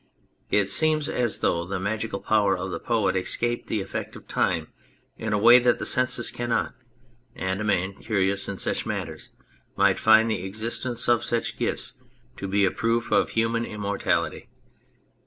It seems as though the magical power of the poet escaped the effect of time in a way that the senses cannot, and a man curious in such matters might find the existence of such gifts to be a proof of human im mortality.